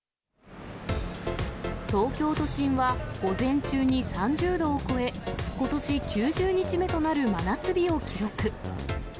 東京都心は午前中に３０度を超え、ことし９０日目となる真夏日を記録。